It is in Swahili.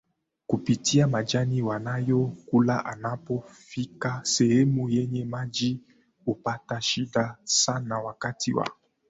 kupitia majani wanayo kula Anapo fika sehemu yenye maji hupata shida sana wakati wa